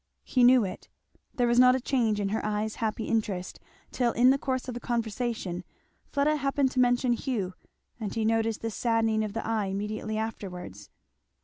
He knew it. There was not a change in her eye's happy interest, till in the course of the conversation Fleda happened to mention Hugh, and he noticed the saddening of the eye immediately afterwards.